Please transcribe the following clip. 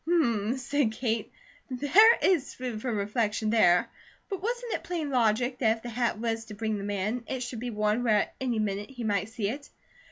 "Hummm!" said Kate. "There IS food for reflection there. But wasn't it plain logic, that if the hat was to bring the man, it should be worn where at any minute he might see it?"